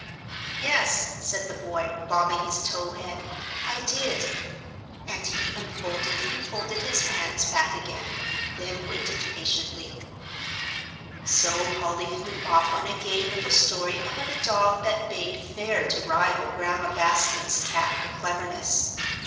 "Yes," said the boy, bobbing his tow head, "I did;" and he unfolded and folded his hands back again, then waited patiently. So Polly flew off on a gay little story about a dog that bade fair to rival Grandma Bascom's cat for cleverness.